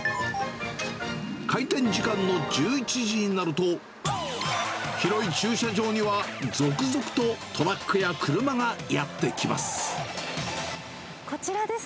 開店時間の１１時になると、広い駐車場には続々とトラックや車がやって来ます。